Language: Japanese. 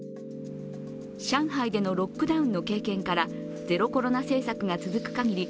上海でのロックダウンの経験からゼロコロナ政策が続くかぎり